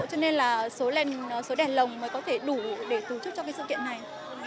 cho nên là số đèn lồng mới có thể đủ để tổ chức cho cái sự kiện này